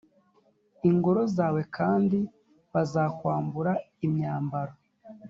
ingoro zawe kandi bazakwambura imyambaro